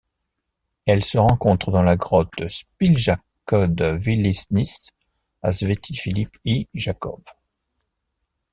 Elle se rencontre dans la grotte Špilja kod Vilišnice à Sveti Filip i Jakov.